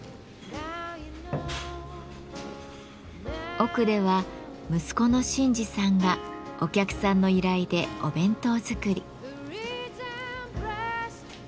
奥では息子の晋司さんがお客さんの依頼でお弁当づくり。